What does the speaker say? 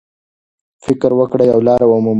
فکر وکړئ او لاره ومومئ.